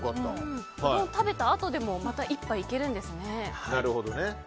食べたあとでもまた１杯いけるんですね。